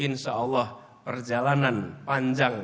insyaallah perjalanan panjang